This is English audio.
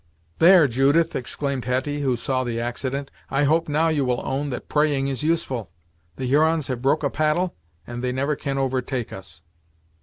"There, Judith!" exclaimed Hetty, who saw the accident, "I hope now you will own, that praying is useful! The Hurons have broke a paddle, and they never can overtake us."